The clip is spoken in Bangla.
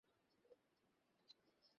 যথেষ্ট ক্ষমতাশালী নন।